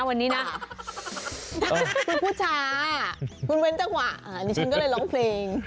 คุณพูดช้าอะวันจะขวะนี่ก็เลยร้องเพลง